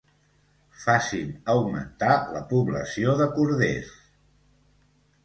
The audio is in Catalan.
Facin augmentar la població de corders.